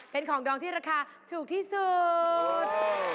เป็นของดองที่ราคาถูกที่สุด